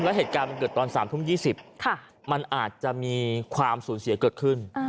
แล้วเหตุการณ์มันเกิดตอน๓ทุ่ม๒๐มันอาจจะมีความสูญเสียเกิดขึ้น